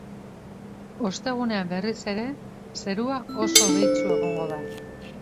Ostegunean berriz ere zerua oso hodeitsu egongo da.